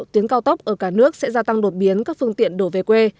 tuyến cao tốc ở cả nước sẽ gia tăng đột biến các phương tiện đổ về quê